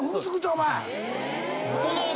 ⁉お前！